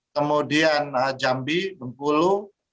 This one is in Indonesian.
kemudian jambi bengkulu